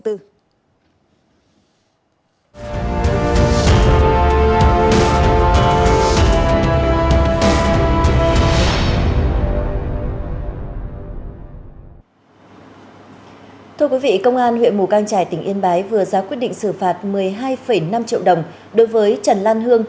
thưa quý vị công an huyện mù cang trải tỉnh yên bái vừa ra quyết định xử phạt một mươi hai năm triệu đồng đối với trần lan hương